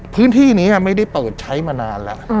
พื้นที่นือยังได้เปิดใช้มานานละ